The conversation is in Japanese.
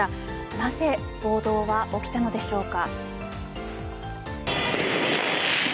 なぜ暴動は起きたのでしょうか。